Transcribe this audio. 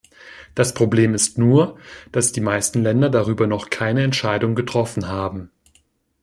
Das Problem ist nur, dass die meisten Länder darüber noch keine Entscheidung getroffen haben.